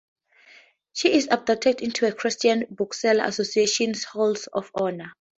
She is inducted into the Christian Booksellers Association's Hall of Honor.